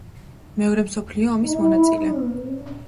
მეორე მსოფლიო ომის მონაწილე.